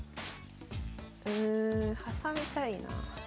うん挟みたいな。